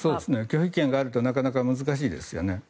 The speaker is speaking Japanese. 拒否権があるとなかなか難しいですよね。